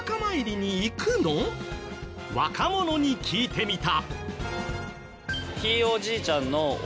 若者に聞いてみた。